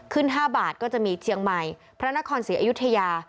๕บาทก็จะมีเชียงใหม่พระนครศรีอยุธยา